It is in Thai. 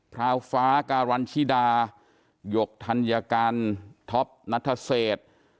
ราวฟ้าการันชิดาหยกธัญกันท็อปนัทเศษ